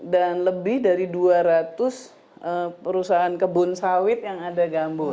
dan lebih dari dua ratus perusahaan kebun sawit yang ada gambut